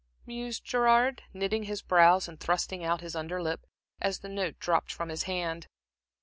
mused Gerard, knitting his brows and thrusting out his under lip, as the note dropped from his hand.